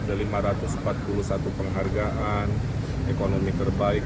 ada lima ratus empat puluh satu penghargaan ekonomi terbaik